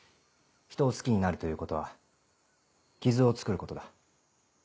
人を好きになるということは傷をつくることだ。